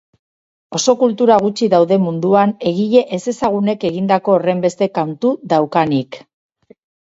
Oso kultura gutxi daude munduan egile ezezagunek egindako horrenbeste kantu daukanik.